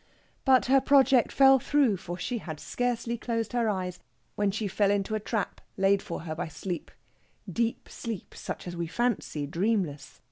But her project fell through, for she had scarcely closed her eyes when she fell into a trap laid for her by sleep deep sleep, such as we fancy dreamless.